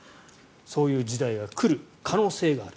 そういう時代が来る可能性がある。